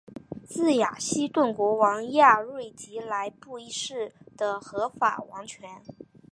自雅西顿国王亚瑞吉来布一世的合法王权。